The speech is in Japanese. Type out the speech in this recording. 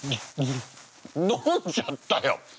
飲んじゃったよ！